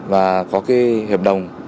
và có cái hiệp đồng